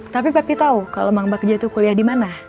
tapi papih tau kalau mamang kejahat kuliah di mana